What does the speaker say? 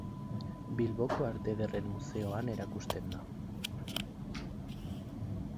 Bilboko Arte Ederren Museoan erakusten da.